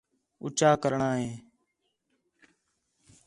اُچّا کرݨاں ہِے